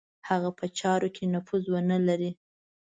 هغه په چارو کې نفوذ ونه لري.